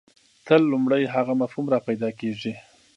تل لومړی هغه مفهوم راپیدا کېږي.